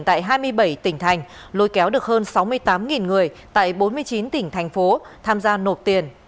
tại hai mươi bảy tỉnh thành lôi kéo được hơn sáu mươi tám người tại bốn mươi chín tỉnh thành phố tham gia nộp tiền